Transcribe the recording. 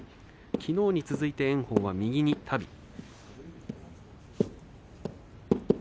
きのうに続いて炎鵬は右にたび。